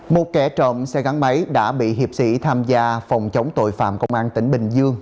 một kẻ trộm xe gắn máy đã bị hiệp sĩ tham gia phòng chống tội phạm công an tỉnh bình dương